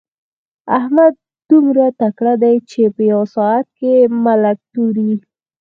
احمد دومره تکړه دی چې په يوه ساعت کې ملک توري.